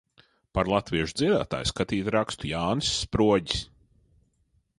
Par latviešu dziedātāju skatīt rakstu Jānis Sproģis.